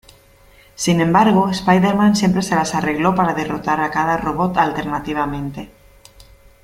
Sin embargo, Spider-Man siempre se las arregló para derrotar a cada robot alternativamente.